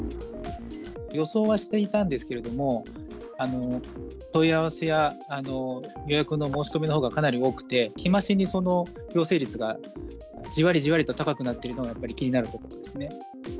予想はしていたんですけれども、問い合わせや、予約の申し込みのほうがかなり多くて、日増しに陽性率がじわりじわりと高くなっているのがやっぱり気になるところですね。